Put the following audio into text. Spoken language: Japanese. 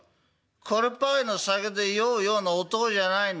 これっぱかりの酒で酔うような男じゃないのねっ。